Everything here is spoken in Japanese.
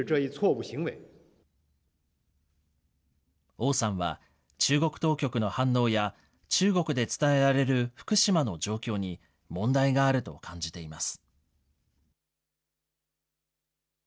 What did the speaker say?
王さんは、中国当局の反応や、中国で伝えられる福島の状況に問題があると感じています。